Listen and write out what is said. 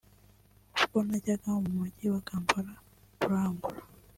ubwo najyaga mu Mujyi wa Kampala kurangura